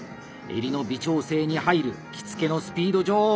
襟の微調整に入る「着付のスピード女王」